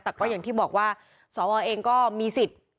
แต่ก็อย่างที่บอกว่าสวเองก็มีสิทธิ์